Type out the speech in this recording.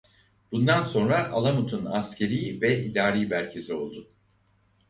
Bundan sonra Alamut'un askerî ve idari merkezi oldu.